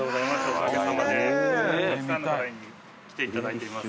おかげさまでたくさんの方に来ていただいています。